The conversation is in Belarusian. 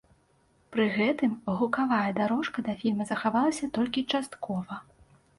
Пры гэтым гукавая дарожка да фільма захавалася толькі часткова.